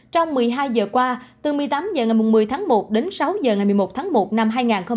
trong một mươi hai giờ qua từ một mươi tám h ngày một mươi tháng một đến sáu h ngày một mươi một tháng một năm hai nghìn hai mươi